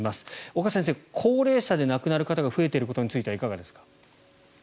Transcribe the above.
岡先生、高齢者で亡くなる方が増えていることについてはいかがですか？